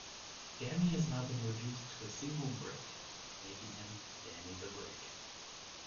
Danny has now been reduced to a single brick, making him Danny the Brick.